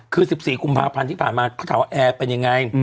คือ๑๔กุมภาพันธ์ที่ผ่านมาเขาถามว่าแอร์เป็นยังไง